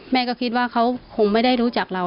แม่ก็คิดว่าเขาคงไม่ได้รู้จักเรา